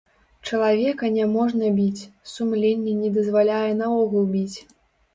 Чалавека няможна біць, сумленне не дазваляе наогул біць.